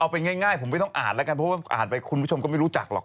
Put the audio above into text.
เอาเป็นง่ายผมไม่ต้องอ่านแล้วกันเพราะว่าอ่านไปคุณผู้ชมก็ไม่รู้จักหรอก